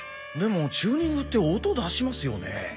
でもチューニングって音出しますよね？